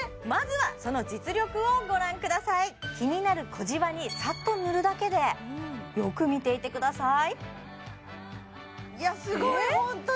まずはその実力をご覧ください気になる小じわにサッと塗るだけでよく見ていてくださいいやすごいホントに！